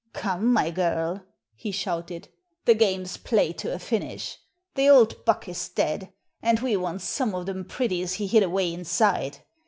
"Come, my girl," he shouted, "the game's played to a finish. Th' old buck is dead, an' we want some o' them pretties he hid away inside.